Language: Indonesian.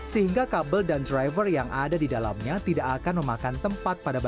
sehingga kabel dan driver yang ada di dalamnya tidak akan memakan tempat pada bagian